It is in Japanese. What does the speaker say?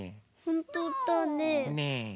ほんとだね。